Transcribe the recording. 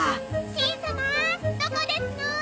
しん様どこですの？